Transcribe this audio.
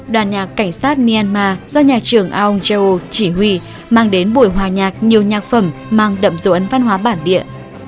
đoàn nhạc cảnh sát myanmar do nhà trưởng aung chau chỉ huy mang đến bụi hòa nhạc nhiều nhạc phẩm mang đậm dỗn văn hóa bản địa